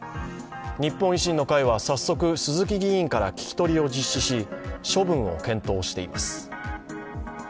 日本維新の会は早速、鈴木議員から聞き取りを実施し、処分を検討しています。